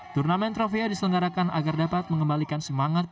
turnamen trofia diselenggarakan agar dapat mengembalikan semangat